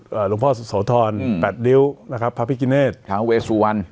อ่าหลวงพ่อสวทรอืมแปดริ้วนะครับพระพิกิเนสทางเวสสู่วัน